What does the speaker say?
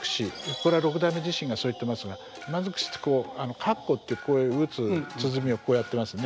これは六代目自身がそう言ってますが山尽しって羯鼓ってこういう打つ鼓をこうやってますね。